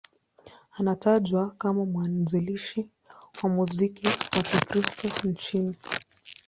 Anatajwa kama mwanzilishi wa muziki wa Kikristo nchini.